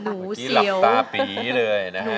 หนูเสียวเมื่อกี้หลับตราปลีเลยนะฮะ